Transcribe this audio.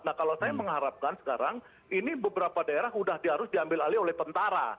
nah kalau saya mengharapkan sekarang ini beberapa daerah sudah dianggap seperti wuhan